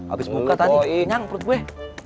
habis buka tadi nyang perut gue